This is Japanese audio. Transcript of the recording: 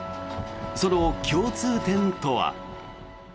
その共通点とは。